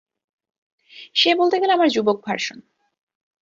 সে বলতে গেলে আমার যুবক ভার্সন।